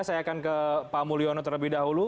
saya akan ke pak mulyono terlebih dahulu